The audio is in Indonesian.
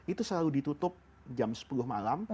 itu selalu ditutup jam sepuluh malam